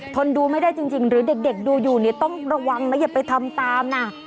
ดูไม่ได้จริงหรือเด็กดูอยู่เนี่ยต้องระวังนะอย่าไปทำตามนะ